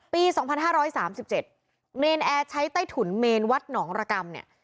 ปีสองพันห้าร้อยสามสิบเจ็ดเนรนแอร์ใช้ใต้ถุนเมนวัดหนองรกรรมเนี่ย